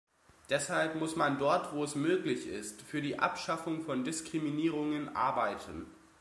Deshalb muss man dort, wo es möglich ist, für die Abschaffung von Diskriminierungen arbeiten.